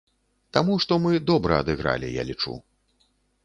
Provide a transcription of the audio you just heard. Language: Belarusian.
Таму што мы добра адыгралі, я лічу.